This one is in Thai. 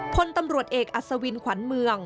พลตำรวจเอกอัศวินขวัญเมือง